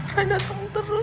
roy datang terus